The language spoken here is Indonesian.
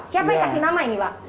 siapa yang kasih nama ini pak